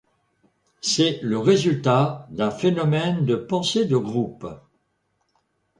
C'est le résultat d'un phénomène de pensée de groupe.